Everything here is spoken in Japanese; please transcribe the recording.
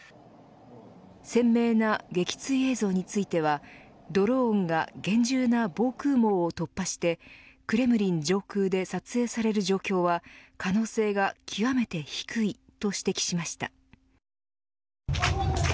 鮮明な撃墜映像についてはドローンが厳重な防空網を突破してクレムリン上空で撮影される状況は可能性が極めて低いと指摘しました。